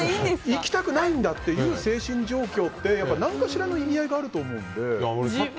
行きたくないんだっていう精神状況って何かしらの意味合いがあると思うので。